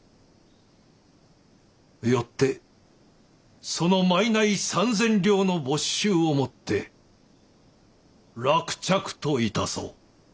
よってその賄３千両の没収をもって落着と致そう。